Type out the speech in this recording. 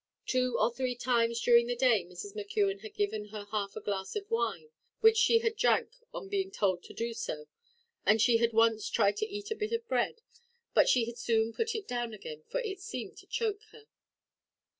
Two or three times during the day Mrs. McKeon had given her half a glass of wine, which she had drank on being told to do so, and she had once tried to eat a bit of bread. But she had soon put it down again, for it seemed to choke her.